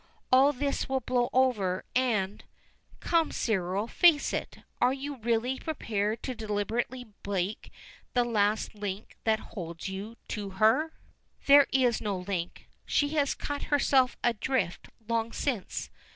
All this will blow over, and come Cyril, face it! Are you really prepared to deliberately break the last link that holds you to her?" "There is no link. She has cut herself adrift long since.